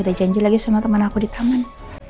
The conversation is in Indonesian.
ada janji lagi sama teman aku di taman